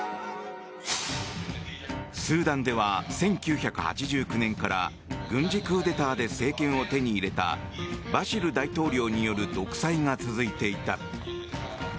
スーダンでは、１９８９年から軍事クーデターで政権を手に入れたバシル大統領による独裁が続いていた。